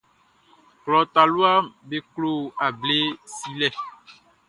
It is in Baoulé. Klɔ taluaʼm be klo able silɛ.